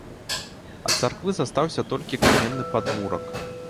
Ад царквы застаўся толькі каменны падмурак.